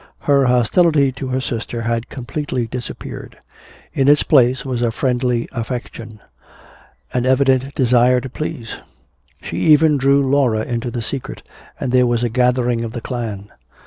Her hostility to her sister had completely disappeared. In its place was a friendly affection, an evident desire to please. She even drew Laura into the secret, and there was a gathering of the clan.